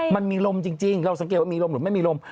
มันมีลมจริงเราสังเกตว่ามีลมหรือไม่มีลม